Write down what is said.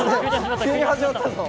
急に始まったぞ！